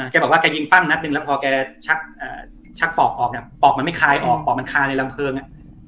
แกบอกว่าแกยิงปั้งนัดหนึ่งแล้วพอแกชักปอกออกปอกมันไม่คายออกปอกมันคาในลำเพลิง